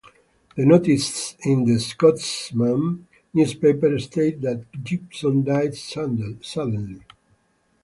The notice in "The Scotsman" newspaper stated that Gibson died suddenly.